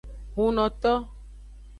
Hunnoto.